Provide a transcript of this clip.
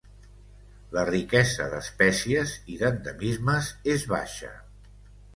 La riquesa d'espècies i d'endemismes és baixa.